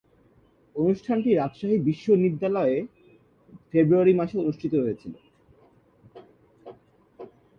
অনুষ্ঠানটি রাজশাহী বিশ্বনিদ্যালয়ে ফেব্রুয়ারি মাসে অনুষ্ঠিত হয়েছিলো।